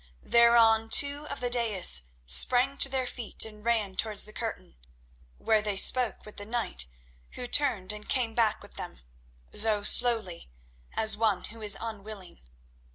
Thereon two of the daïs sprang to their feet and ran towards the curtain, where they spoke with the knight, who turned and came back with them, though slowly, as one who is unwilling.